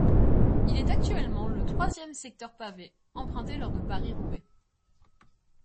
Il est actuellement le troisième secteur pavé emprunté lors de Paris-Roubaix.